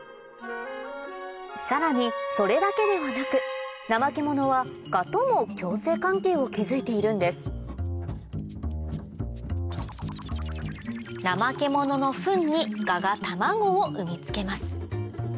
さらにそれだけではなくナマケモノはガとも共生関係を築いているんですナマケモノのフンにガが卵を産みつけます